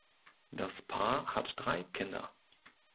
Das Paar hat drei Kinder.